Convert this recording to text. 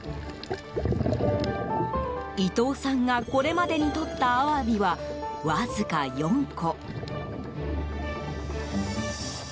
伊藤さんがこれまでにとったアワビはわずか４個。